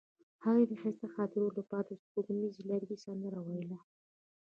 هغې د ښایسته خاطرو لپاره د سپوږمیز لرګی سندره ویله.